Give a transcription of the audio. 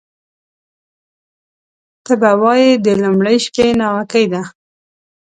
ته به وایې د لومړۍ شپې ناوکۍ ده